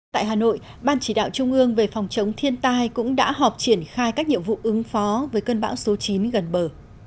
tại hà nội ban chỉ đạo trung ương về phòng chống thiên tai cũng đã họp triển khai các nhiệm vụ ứng phó với cơn bão số chín gần bờ